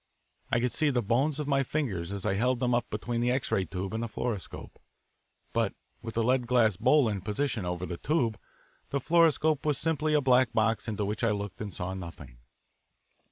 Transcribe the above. I could see the bones of my fingers as I held them up between the X ray tube and the fluoroscope. But with the lead glass bowl in position over the tube, the fluoroscope was simply a black box into which I looked and saw nothing.